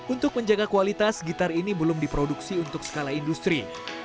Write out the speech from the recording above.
untuk menjaga kualitas gitar ini belum diproduksi untuk skala industri